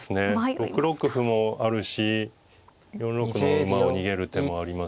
６六歩もあるし４六の馬を逃げる手もありますし。